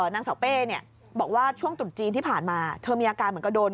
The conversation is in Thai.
นางสาวเป้บอกว่าช่วงตุดจีนที่ผ่านมาเธอมีอาการเหมือนกับโดน